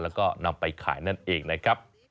แล้วก็นำไปขายนั่นเองนะครับ